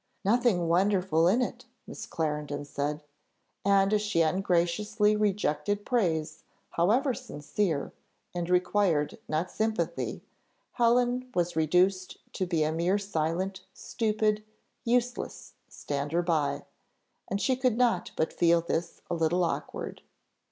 "Nothing wonderful in it," Miss Clarendon said: and as she ungraciously rejected praise, however sincere, and required not sympathy, Helen was reduced to be a mere silent, stupid, useless stander by, and she could not but feel this a little awkward.